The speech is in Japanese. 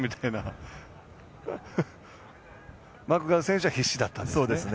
マクガフ選手は必死だったんですね。